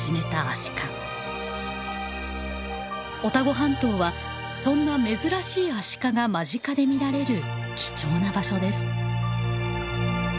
オタゴ半島はそんな珍しいアシカが間近で見られる貴重な場所です。